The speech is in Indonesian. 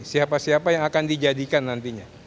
siapa siapa yang akan dijadikan nantinya